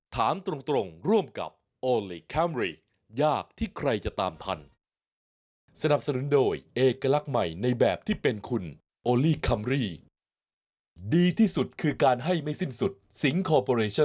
ถามตรงร่วมกับโอลี่คัมรี่ยากที่ใครจะตามพันสนับสนุนโดยเอกลักษณ์ใหม่ในแบบที่เป็นคุณโอลี่คัมรี่ดีที่สุดคือการให้ไม่สิ้นสุดสิงค์คอร์ปอเรชั่น